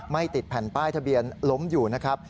ติดแผ่นป้ายทะเบียนล้มอยู่นะครับ